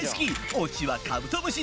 推しはカブトムシ！